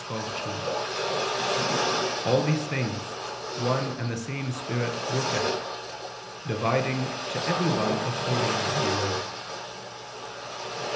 12:2): "All these things, one and the same Spirit worketh, dividing to every one according as He will."